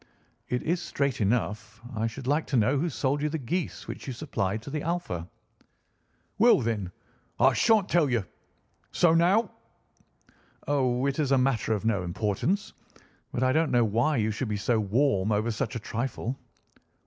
"It is straight enough. I should like to know who sold you the geese which you supplied to the Alpha." "Well then, I shan't tell you. So now!" "Oh, it is a matter of no importance; but I don't know why you should be so warm over such a trifle."